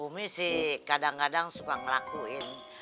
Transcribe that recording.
bumi sih kadang kadang suka ngelakuin